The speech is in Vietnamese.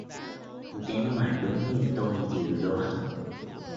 Nếu mà đúng như tôi dự đoán